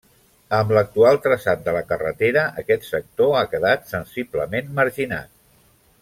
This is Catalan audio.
Amb l'actual traçat de la carretera aquest sector ha quedat sensiblement marginat.